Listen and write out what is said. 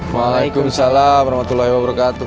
waalaikumsalam warahmatullahi wabarakatuh